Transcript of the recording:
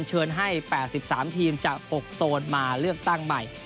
เชิญให้๘๓ทีมจาก๖โซนมาเลือกตั้งใหม่